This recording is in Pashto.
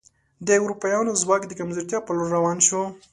د اروپایانو ځواک د کمزورتیا په لور روان شو.